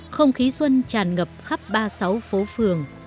không khí xuân tràn ngập khắp ba mươi sáu phố phường